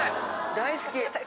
大好き。